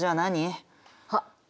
あっ。